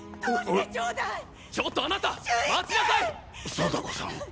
貞子さん！